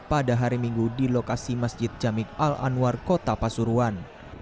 pada hari minggu di lokasi masjid jamik al anwar kota pasuruan